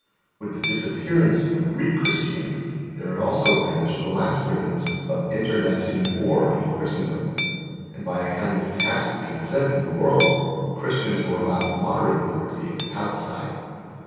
With the disappearance of Greek Christianity there had also vanished the last remnants of internecine war in Christendom; and by a kind of tacit consent of the world, Christians were allowed a moderate liberty in Palestine.